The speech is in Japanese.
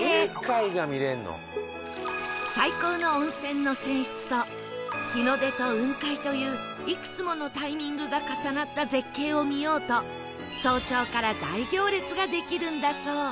最高の温泉の泉質と日の出と雲海といういくつものタイミングが重なった絶景を見ようと早朝から大行列ができるんだそう